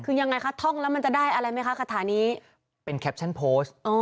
คือยังไงคะท่องแล้วมันจะได้อะไรไหมคะคาถานี้เป็นแคปชั่นโพสต์